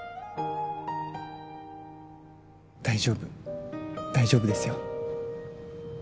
大丈夫大丈夫ですよ